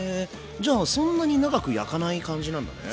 じゃあそんなに長く焼かない感じなんだね。